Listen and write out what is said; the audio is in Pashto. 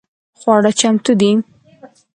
خواړه چمتو دي؟